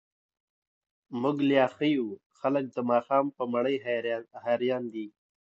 موږ ليا ښه يو، خلګ د ماښام په مړۍ هريان دي.